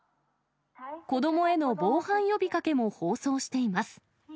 子どもへの防犯呼びかけも放送しています。